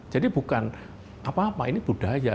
jadi bukan apa apa ini budaya